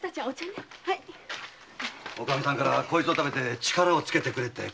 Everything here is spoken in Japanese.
おかみさんからこいつを食べて力を付けてくれって。